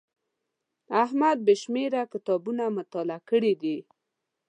احمد بې شماره کتابونه مطالعه کړي دي.